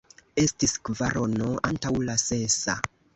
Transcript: Estis kvarono antaŭ la sesa.